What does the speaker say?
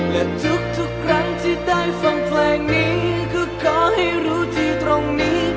และทุกครั้งที่ได้ฟังเพลงนี้คือขอให้รู้ที่ตรงนี้